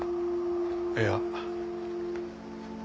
いや。